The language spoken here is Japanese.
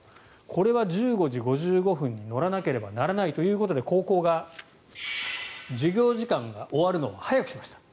これは１５時５５分に乗らなければならないということで高校が授業時間が終わるのを早くしました。